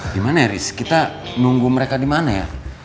di mana ya riz kita nunggu mereka di mana ya